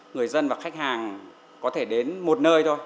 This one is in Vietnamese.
người dân và khách hàng có thể đến một nơi thôi